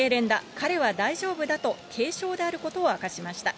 彼は大丈夫だと軽症であることを明かしました。